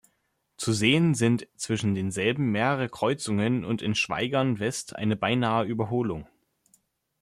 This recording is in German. Zu sehen sind zwischen denselben mehrere Kreuzungen und in Schwaigern West eine Beinahe-Überholung.